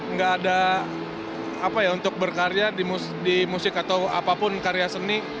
enggak ada untuk berkarya di musik atau apapun karya seni